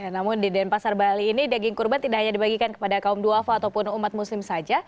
namun di denpasar bali ini daging kurban tidak hanya dibagikan kepada kaum duafa ataupun umat muslim saja